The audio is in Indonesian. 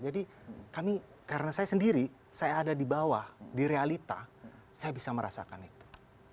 jadi kami karena saya sendiri saya ada di bawah di realita saya bisa merasakan itu